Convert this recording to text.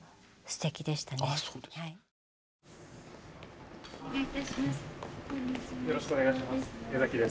よろしくお願いします江です。